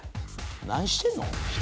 「何してんの？」